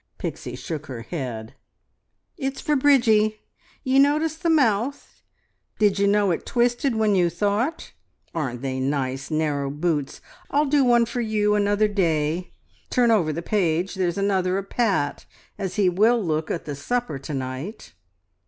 Pixie shook her head. "It's for Bridgie. Ye notice the mouth? Did you know it twisted when you thought? Aren't they nice, narrow boots? I'll do one for you another day. ... Turn over the page! There's another of Pat, as he will look at the supper to night."